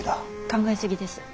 考え過ぎです。